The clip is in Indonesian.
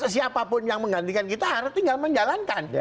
siapapun yang menggantikan kita harus tinggal menjalankan